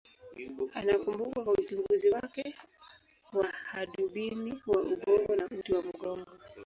Anakumbukwa kwa uchunguzi wake wa hadubini wa ubongo na uti wa mgongo.